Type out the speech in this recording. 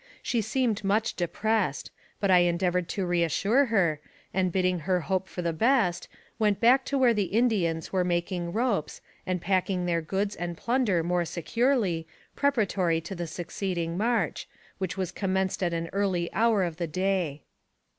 She seemed much depressed, but I en deavored to re assure her, and bidding her hope for the best, went back to where the Indians were making ropes, and packing "their goods and plunder more securely, preparatory to the succeding march, which was commenced at an early hour of the day.